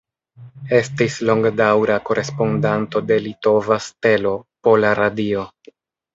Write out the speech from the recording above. Estis longdaŭra korespondanto de "Litova Stelo", Pola Radio.